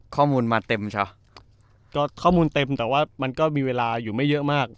ข้อมูลมาเต็มเช้าก็ข้อมูลเต็มแต่ว่ามันก็มีเวลาอยู่ไม่เยอะมาก